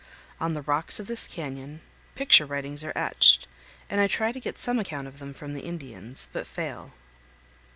On the rocks of this canyon picture writings are etched, and I try to get some account of them from the Indians, but fail.